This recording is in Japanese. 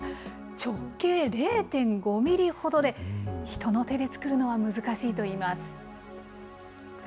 直径０．５ミリほどで、人の手で作るのは難しいといいます。